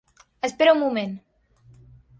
Espera un moment!